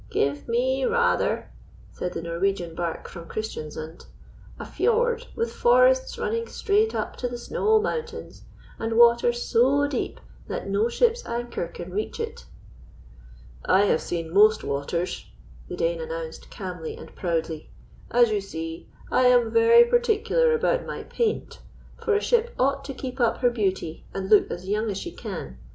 "Give me rather," said the Norwegian barque from Christiansund, "a fiord with forests running straight up to the snow mountains, and water so deep that no ship's anchor can reach it." "I have seen most waters," the Dane announced calmly and proudly. "As you see, I am very particular about my paint, for a ship ought to keep up her beauty and look as young as she can.